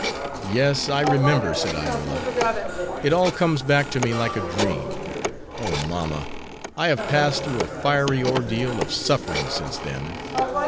"Yes, I remember," said Iola. "It all comes back to me like a dream. Oh, mamma! I have passed through a fiery ordeal of suffering since then.